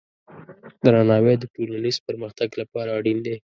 درناوی د ټولنیز پرمختګ لپاره اړین دی.